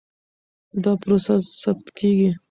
دا پروسه ثبت کېږي.